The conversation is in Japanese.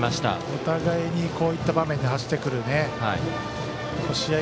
お互いにこういった場面走ってくる試合